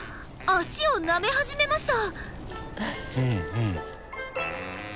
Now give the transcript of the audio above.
脚をなめ始めました。